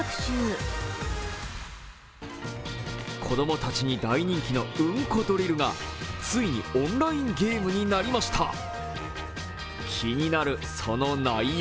子供たちに大人気のうんこドリルがついにオンラインゲームになりました。